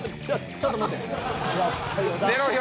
ちょっと待て！